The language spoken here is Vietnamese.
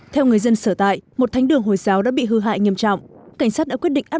theo người dân sở tại một thánh đường hồi giáo đã bị hư hại nghiêm trọng cảnh sát đã quyết định áp